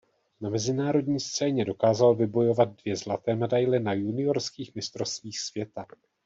Na mezinárodní scéně dokázal vybojovat dvě zlaté medaile na juniorských mistrovstvích světa.